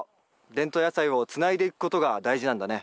伝統野菜をつないでいくことが大事なんだね。